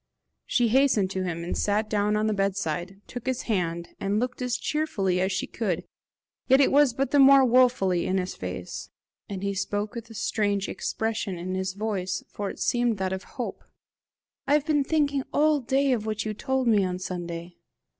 She hastened to him, sat down on the bedside, took his hand, and looked as cheerfully as she could, yet it was but the more woefully, in his face. "Helen!" he said again, and he spoke with a strange expression in his voice, for it seemed that of hope, "I have been thinking all day of what you told me on Sunday."